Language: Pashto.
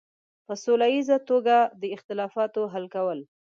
په سوله ییزه توګه د اختلافونو حل کول.